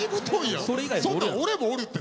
そんなん俺もおるって。